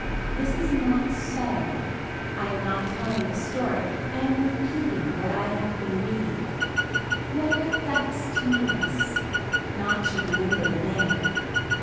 This is not so. I am not telling the story I am repeating what I have been reading. What effects tenderness. Not to remember the name.